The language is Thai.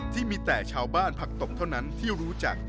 ที่มีแต่ชาวบ้านผักตบเท่านั้นที่รู้จัก